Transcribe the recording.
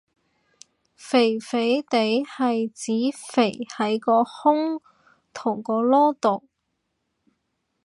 肥肥哋係指肥喺個胸同個籮度